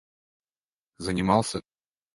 занимался